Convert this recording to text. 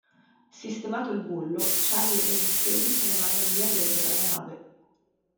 Sistemato il bullo, Charlie e Miss Casey se ne vanno via allegri dalla nave.